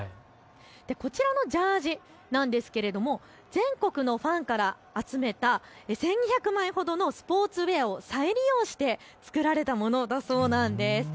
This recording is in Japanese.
こちらのジャージなんですが全国のファンから集めた１２００枚ほどのスポーツウエアを再利用して作られたものなんだそうなんです。